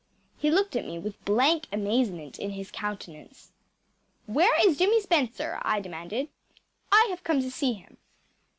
He looked at me with blank amazement in his countenance. “Where is Jimmy Spencer?‚ÄĚ I demanded. “I have come to see him.